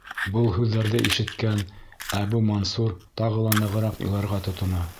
Был һүҙҙәрҙе ишеткән Әбү-Мансур тағы ла нығыраҡ иларға тотона: